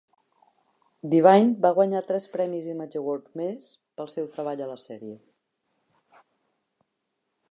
Devine va guanyar tres premis Image Awards més pel seu treball a la sèrie.